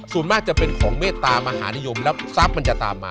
ส่วนมากจะเป็นของเมตตามหานิยมแล้วทรัพย์มันจะตามมา